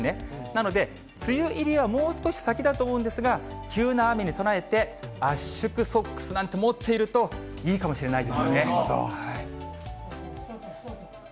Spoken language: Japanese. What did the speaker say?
なので、梅雨入りはもう少し先だと思うんですが、急な雨に備えて、圧縮ソックスなんて持っているといいかもしれないですね。